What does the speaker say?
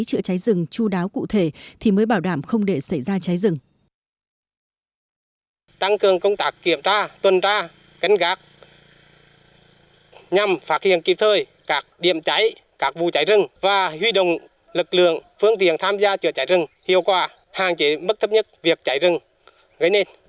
chữa cháy rừng chú đáo cụ thể thì mới bảo đảm không để xảy ra cháy rừng